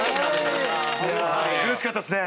苦しかったですね。